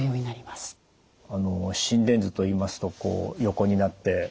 心電図といいますとこう横になって。